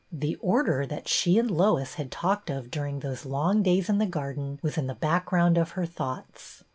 The Order that she and Lois had talked of during those long days in the garden was in the background of her thoughts.